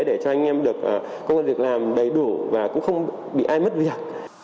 để cho anh em được công an việc làm đầy đủ và cũng không bị ai mất việc